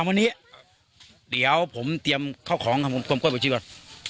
ทำอันนี้เดี๋ยวผมเตรียมเข้าของข้าวบัวชีก่อน